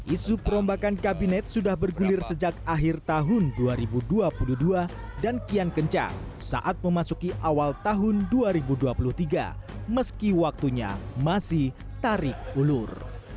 isu perombakan kabinet sudah bergulir sejak akhir tahun dua ribu dua puluh dua dan kian kencang saat memasuki awal tahun dua ribu dua puluh tiga meski waktunya masih tarik ulur